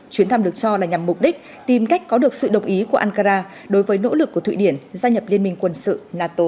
chuyến thăm được cho là nhằm mục đích tìm cách có được sự đồng ý của ankara đối với nỗ lực của thụy điển gia nhập liên minh quân sự nato